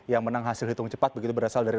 yang menang hasil hitung cepat begitu berasal dari